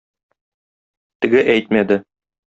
Теге әйтмәде.